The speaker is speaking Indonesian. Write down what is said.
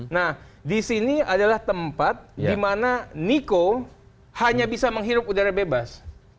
nah disini adalah tempat dimana niko hanya bisa menghirup udara bebas